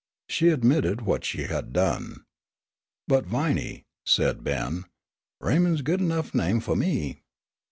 She admitted what she had done. "But, Viney," said Ben, "Raymond's good enough name fu' me."